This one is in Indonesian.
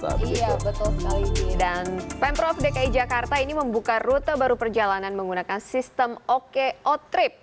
dan pemprov dki jakarta ini membuka rute baru perjalanan menggunakan sistem oko trip